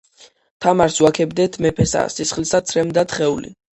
თამარს ვაქებდეთ მეფესა სისხლისა ცრემლ-დათხეული,